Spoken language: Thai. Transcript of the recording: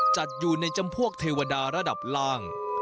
จัดอยู่ในจำพวกเทวดาระดับล่าง